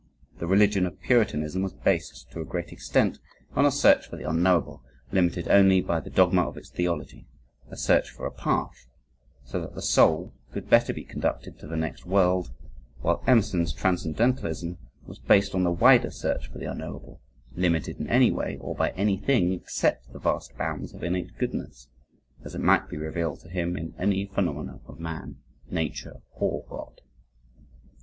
The religion of Puritanism was based to a great extent, on a search for the unknowable, limited only by the dogma of its theology a search for a path, so that the soul could better be conducted to the next world, while Emerson's transcendentalism was based on the wider search for the unknowable, unlimited in any way or by anything except the vast bounds of innate goodness, as it might be revealed to him in any phenomena of man, Nature, or God.